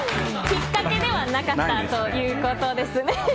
引っかけではなかったということで。